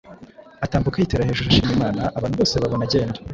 atambuka yitera hejuru, ashima Imana. Abantu bose bobona agenda,